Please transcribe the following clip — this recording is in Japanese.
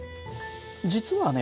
実はね